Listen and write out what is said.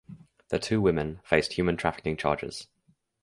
The two women faced human trafficking charges.